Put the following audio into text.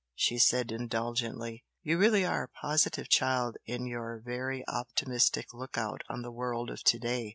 she said, indulgently, "You really are a positive child in your very optimistic look out on the world of to day!